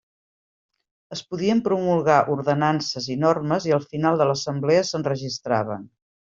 Es podien promulgar ordenances i normes i al final de l'assemblea s'enregistraven.